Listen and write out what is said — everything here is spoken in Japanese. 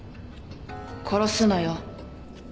殺すのよ。